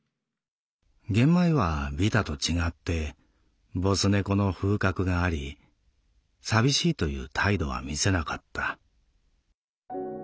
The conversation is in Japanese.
ゲンマイはビタと違ってボス猫の風格があり寂しいという態度は見せなかった」。